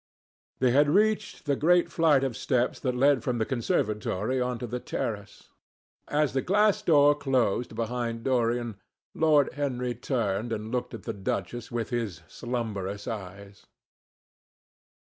They had reached the great flight of steps that led from the conservatory on to the terrace. As the glass door closed behind Dorian, Lord Henry turned and looked at the duchess with his slumberous eyes.